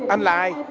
ăn là ai